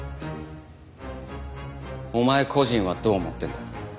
お前個人はどう思ってるんだ？